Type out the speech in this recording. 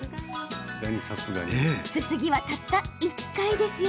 すすぎはたった１回ですよ。